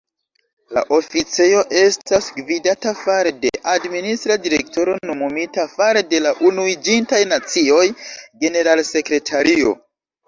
La oficejo estas gvidata fare de Administra direktoro nomumita fare de la Unuiĝintaj Nacioj-generalsekretario.